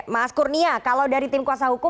mas kurnia kalau dari tim kuasa hukum